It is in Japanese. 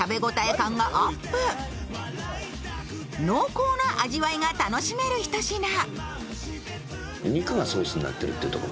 濃厚な味わいが楽しめるひと品。